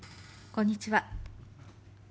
こんにちは。